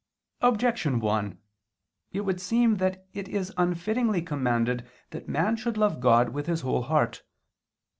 Objection 1: It would seem that it is unfittingly commanded that man should love God with his whole heart.